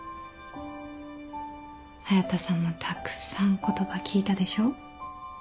隼田さんもたくさん言葉聞いたでしょ？